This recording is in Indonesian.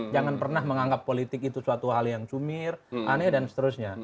jangan pernah menganggap politik itu suatu hal yang cumir aneh dan seterusnya